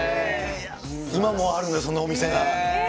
今もあるんだよ、そのお店。